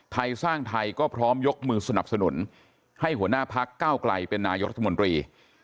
ไทยสร้างไทยก็พร้อมยกมือสนับสนุนให้หัวหน้าพักเก้าไกลเป็นนายกรัฐมนตรี